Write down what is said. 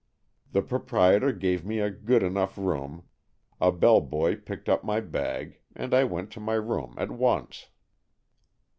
The proprietor gave me a good enough room, a bellboy picked up my bag, and I went to my room at once."